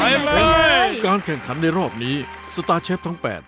เพลงการแข่งขันในรอบนี้สตาร์เชฟทั้ง๘